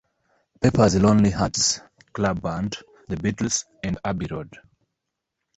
Pepper's Lonely Hearts Club Band", "The Beatles" and "Abbey Road".